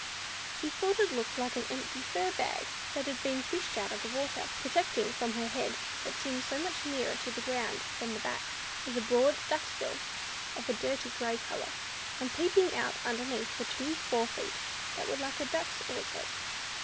She thought it looked like an empty fur bag that had been fished out of the water. Projecting from the head, that seemed much nearer to the ground than the back, was a broad duck's bill, of a dirty grey colour; and peeping out underneath were two fore feet that were like a duck's also.